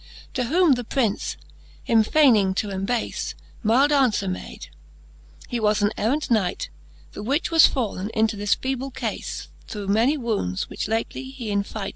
To whom the Prince, him fayning to embafe, Mylde anfwer made ; he was an errant Knight, The which was fall'n into this feeble cafe. Through many wounds, which lately he in fight.